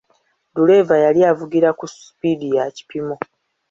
Duleeva yali avugira ku sipiidi ya kipimo.